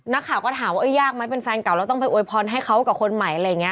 นักข่าวก็ถามว่ายากไหมเป็นแฟนเก่าแล้วต้องไปอวยพรให้เขากับคนใหม่อะไรอย่างนี้